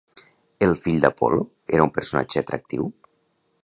El fill d'Apol·lo era un personatge atractiu?